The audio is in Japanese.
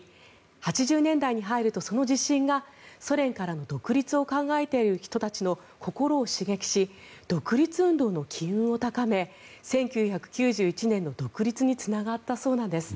８０年代に入るとその自信がソ連からの独立を考えている人たちの心を刺激し独立運動の機運を高め１９９１年の独立につながったそうなんです。